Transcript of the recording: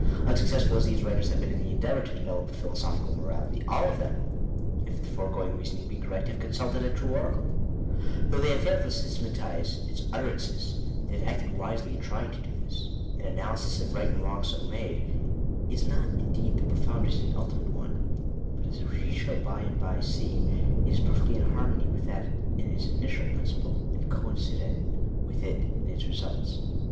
Unsuccessful as these writers have been in the endeavour to develope a philoso phical morality, all of them, if the foregoing reasoning be cor rect, have consulted a true oracle. Though they have failed to systematize its utterances, they have acted wisely in trying to do this. An analysis of right and wrong so made, is not in deed the profoundest and ultimate one ; but, as we shall by and by see, it is perfectly in harmony with that in its initial princi ple, and coincident with it in its results.